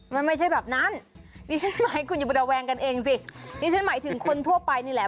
มันไม่ใช่แบบนั้นนี่ฉันหมายถึงคนทั่วไปนี่แหละ